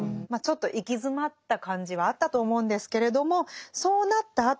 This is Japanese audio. まあちょっと行き詰まった感じはあったと思うんですけれどもそうなった